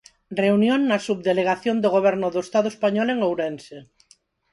Reunión na subdelegación do Goberno do Estado español en Ourense.